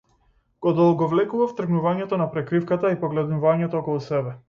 Го одолговлекував тргнувањето на прекривката и погледнувањето околу себе.